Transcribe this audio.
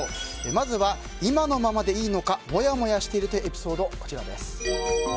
まず、今のままでいいのかもやもやしているというエピソード。